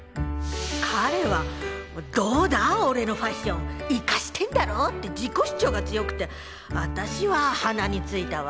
彼は「どうだ俺のファッションイカしてんだろ」って自己主張が強くて私は鼻についたわ。